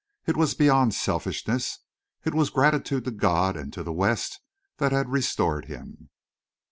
It was beyond selfishness. It was gratitude to God and to the West that had restored him.